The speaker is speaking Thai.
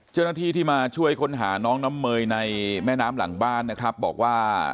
เจ้าหน้าที่ที่มาช่วยค้นหาน้องน้ำเมยในแม่น้ำหลังบ้านนะครับบอกว่า